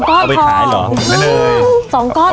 กินตามเองก็นะ